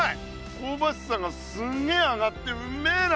こうばしさがすんげえ上がってうんめえな！